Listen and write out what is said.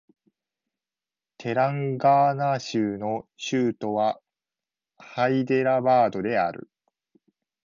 テランガーナ州の州都はハイデラバードである